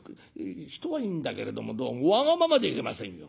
人はいいんだけれどもどうもわがままでいけませんよ。